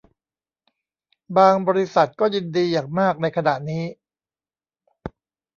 บาง บริษัท ก็ยินดีอย่างมากในขณะนี้